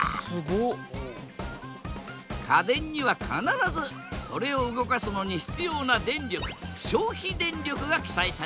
家電には必ずそれを動かすのに必要な電力消費電力が記載されている。